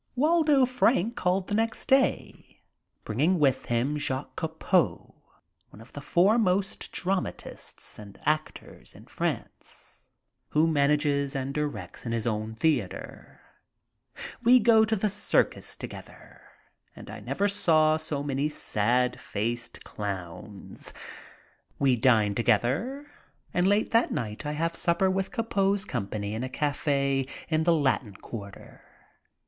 Waldo Frank called the next day, bringing with him Jacques Copeau, one of the foremost dramatists and actors in France, who manages and directs in his own theater. We go to the circus together and I never saw so many sad faced clowns. We dine together, and late that night I have sup per with Copeau's company in a cafe in the Latin Quarter.